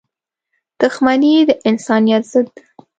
• دښمني د انسانیت ضد ده.